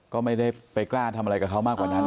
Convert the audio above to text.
ก็ไม่ได้ไปกล้าทำอะไรกับเขามากกว่านั้น